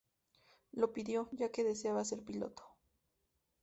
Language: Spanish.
Lo pidió ya que deseaba ser piloto.